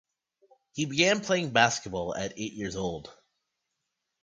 He began playing basketball at eight years old.